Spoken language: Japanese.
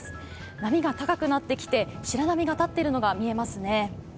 波が高くなってきて白波が立っているのが見えますね。